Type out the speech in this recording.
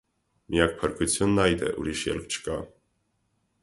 Միակ փրկությունն այդ է, ուրիշ ելք չկա: